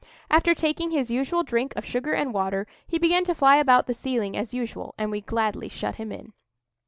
After taking his usual drink of sugar and water, he began to fly about the ceiling as usual, and we gladly shut him in.